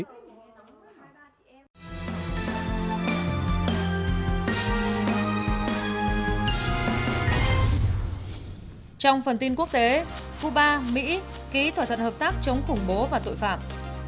trong phần tin quốc tế cuba mỹ ký thỏa thuận hợp tác chống khủng bố và tội phạm